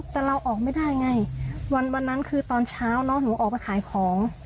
แต่เราออกไม่ได้ไงวันนั้นคือตอนเช้าน้องหนูออกไปขายของ